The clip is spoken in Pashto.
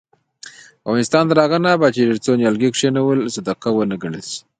افغانستان تر هغو نه ابادیږي، ترڅو نیالګي کښینول صدقه ونه ګڼل شي.